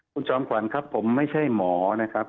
คุณจอมขวัญครับผมไม่ใช่หมอนะครับ